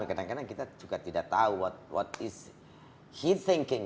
kadang kadang kita juga tidak tahu apa yang dia pikirkan